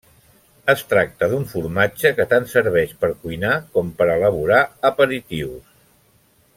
Es tracta d'un formatge que tant serveix per cuinar com per elaborar aperitius.